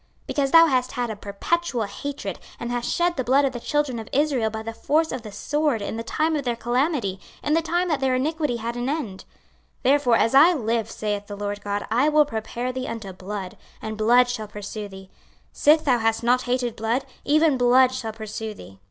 26:035:005 Because thou hast had a perpetual hatred, and hast shed the blood of the children of Israel by the force of the sword in the time of their calamity, in the time that their iniquity had an end: 26:035:006 Therefore, as I live, saith the Lord GOD, I will prepare thee unto blood, and blood shall pursue thee: sith thou hast not hated blood, even blood shall pursue thee.